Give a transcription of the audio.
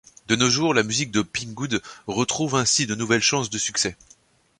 De nos jours, la musique de Pingoud retrouve ainsi de nouvelles chances de succès.